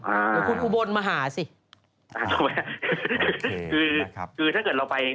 ออออออ่าเดี๋ยวคุณอุบลมาหาสิคือคือถ้าเกิดเราไป